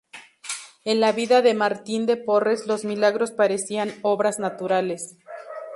En la vida de Martín de Porres los milagros parecían obras naturales.